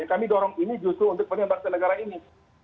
kami dorong ini justru untuk penyelenggara negara ini